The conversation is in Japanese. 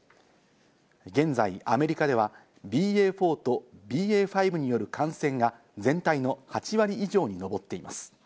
現在、アメリカではＢＡ．４とＢＡ．５による感染が全体の８割以上に上っています。